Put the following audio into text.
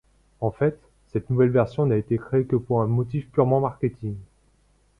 En fait, cette nouvelle version n'a été créée que pour un motif purement marketing.